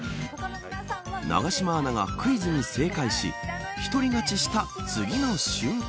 永島アナがクイズに正解し一人勝ちした次の瞬間。